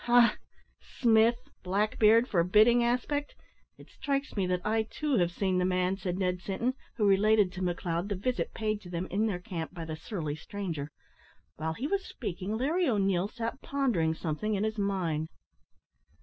"Ha! Smith black beard forbidding aspect! It strikes me that I too have seen the man," said Ned Sinton, who related to McLeod the visit paid to them in their camp by the surly stranger. While he was speaking, Larry O'Neil sat pondering something in his mind.